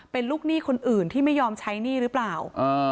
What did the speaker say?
เป็นลูกหนี้คนอื่นที่ไม่ยอมใช้หนี้หรือเปล่า